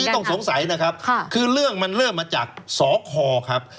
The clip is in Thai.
ต้องสงสัยนะครับคือเรื่องมันเริ่มมาจากสคครับ